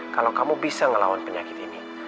kalau kamu bisa ngelawan penyakit ini